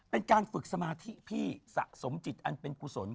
เป็นการฝึกสมาธิพี่สะสมจิตอันเป็นกุศล